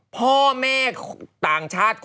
พ่อแม่ต่างชาติ